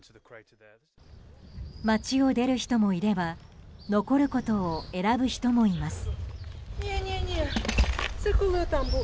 街を出る人もいれば残ることを選ぶ人もいます。